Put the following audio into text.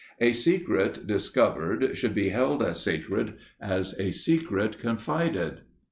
A secret discovered should be held as sacred as a secret confided.